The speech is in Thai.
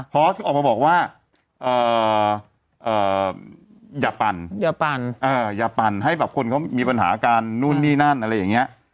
พอสออกมาบอกว่าอย่าปั่นอย่าปั่นอย่าปั่นให้แบบคนเขามีปัญหาการนู่นนี่นั่นอะไรอย่างนี้